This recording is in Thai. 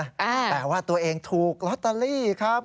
แต่ว่าตัวเองถูกลอตเตอรี่ครับ